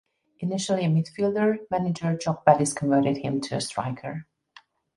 Initially a midfielder, manager Jock Wallace converted him to a striker.